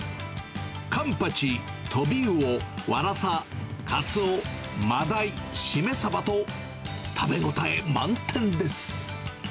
カンパチ、トビウオ、ワラサ、カツオ、マダイ、シメサバと、食べ応え満点です。